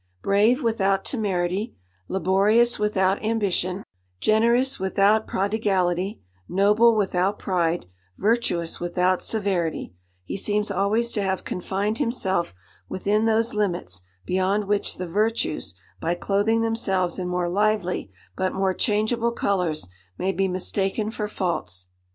Brave without temerity, laborious without ambition, generous without prodigality, noble without pride, virtuous without severity; he seems always to have confined himself within those limits beyond which the virtues, by clothing themselves in more lively but more changeable colours, may be mistaken for faults.